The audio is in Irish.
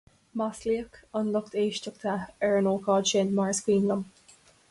Maslaíodh an lucht éisteachta ar an ócáid sin, mar is cuimhin linn.